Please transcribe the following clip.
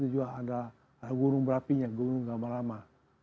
juga ada gunung berapinya gunung gama lama